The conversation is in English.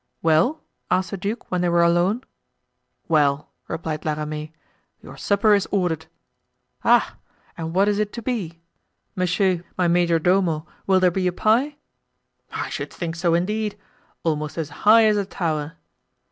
"Well?" asked the duke when they were alone. "Well!" replied La Ramee, "your supper is ordered." "Ah! and what is it to be? Monsieur, my majordomo, will there be a pie?" "I should think so, indeed—almost as high as a tower."